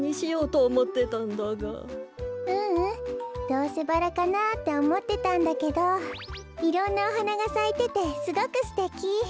どうせバラかなっておもってたんだけどいろんなおはながさいててすごくすてき！